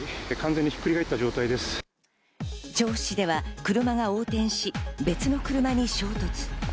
調布市では車が横転し、別の車に衝突。